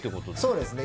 そうですね。